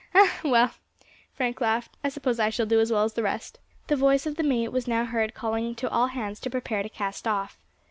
"Ah! well," Frank laughed, "I suppose I shall do as well as the rest." The voice of the mate was now heard calling to all hands to prepare to cast off.